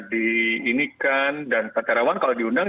diinikan dan pak terawan kalau diundang